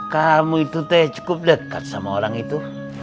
kamu itu teh cukup dekat sama orang itu